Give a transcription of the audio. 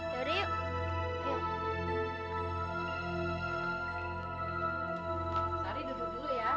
sari duduk dulu ya